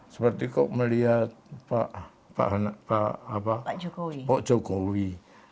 seperti kok melihat pak jokowi